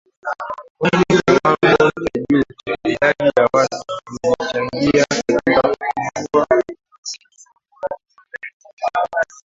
Kwani kiwango cha juu cha idadi ya watu kilichangia katika kupungua kwa ukuaji wa uchumi